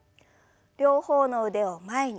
両方の腕を前に。